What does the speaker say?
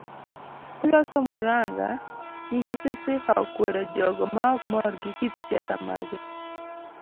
Koloso muranga migosi Sifa okwedo jogo maok mor gi kit siasa mage.